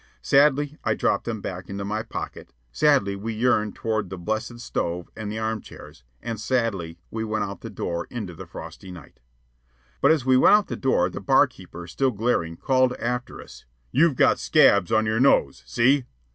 Sadly I dropped them back into my pocket, sadly we yearned toward the blessed stove and the arm chairs, and sadly we went out the door into the frosty night. But as we went out the door, the barkeeper, still glaring, called after us, "You've got scabs on your nose, see!"